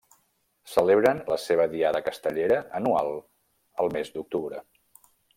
Celebren la seva diada castellera anual el mes d’octubre.